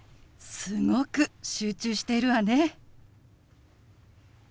すごく集中しているわね。